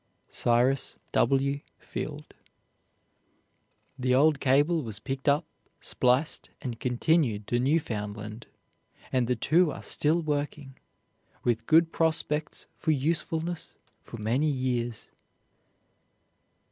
"CYRUS W. FIELD." The old cable was picked up, spliced, and continued to Newfoundland, and the two are still working, with good prospects for usefulness for many years.